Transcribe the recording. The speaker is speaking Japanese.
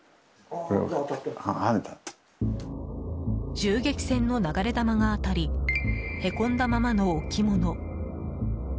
銃撃戦の流れ弾が当たりへこんだままの置き物。